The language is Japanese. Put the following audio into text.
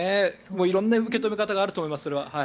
色んな受け止め方があると思います。